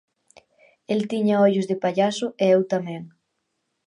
El tiña ollos de pallaso e eu tamén.